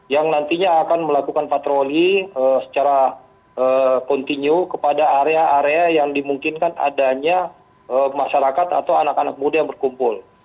yang nantinya akan melakukan patroli secara kontinu kepada area area yang dimungkinkan adanya masyarakat atau anak anak muda yang berkumpul